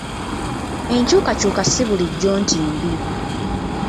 Enkyukakyuka si bulijjo nti mbi.